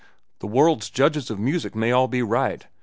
The world's judges of music may all be right.